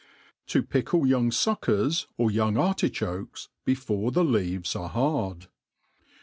To fickle young Suckers^ or young Artichokes ^ before the Leaves are 1 hard.